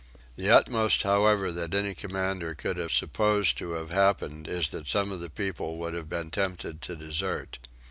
The utmost however that any commander could have supposed to have happened is that some of the people would have been tempted to desert.